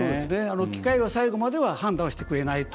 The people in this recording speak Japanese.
機械は最後までは判断はしてくれないと。